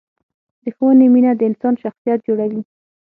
د ښوونې مینه د انسان شخصیت جوړوي.